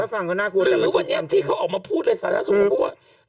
หรือวันนี้ที่เขาออกมาพูดเลยสาธารณสุภาพบุคคล